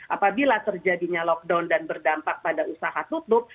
apabila terjadinya lockdown dan berdampak pada usaha tutup